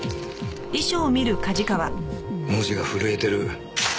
文字が震えてる。